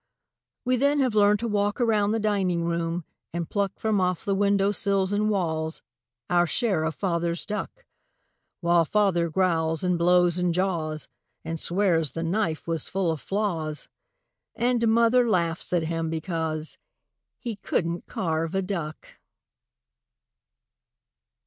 We then have learned to walk around the dining room and pluck From off the windowsills and walls Our share of Father's duck While Father growls and blows and jaws And swears the knife was full of flaws And Mother laughs at him because He couldn't carve a duck.